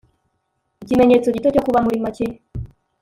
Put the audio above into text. ikimenyetso gito cyo kuba muri make